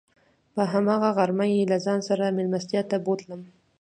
په هماغه غرمه یې له ځان سره میلمستیا ته بوتلم.